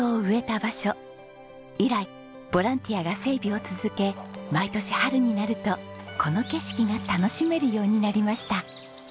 以来ボランティアが整備を続け毎年春になるとこの景色が楽しめるようになりました。